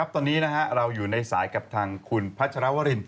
ตอนนี้นะครับเราอยู่ในสายกับทางคุณพระธรวริน